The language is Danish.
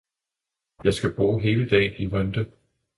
Jeg skal bruge hele dagen i Rønde